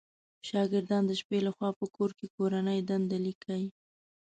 شاګردان د شپې لخوا په کور کې کورنۍ دنده ليکئ